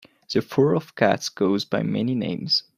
The fur of cats goes by many names.